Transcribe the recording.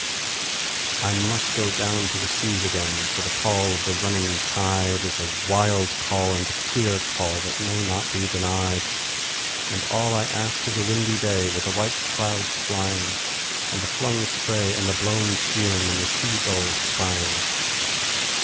I must down go to the seas again, for the call of the running tide Is a wild call and a clear call that may not be denied; And all I ask is a windy day with the white clouds flying, And the flung spray and the blown spume, and the sea gulls crying.